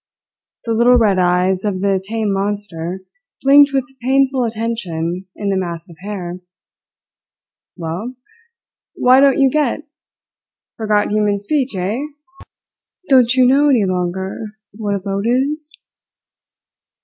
The little red eyes of the tame monster blinked with painful attention in the mass of hair. "Well? Why don't you get? Forgot human speech, eh? Don't you know any longer what a boat is?"